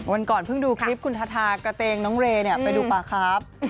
วันก่อนเพิ่งดูคลิปคุณทาทากระเตงน้องเรย์ไปดูปลาครับ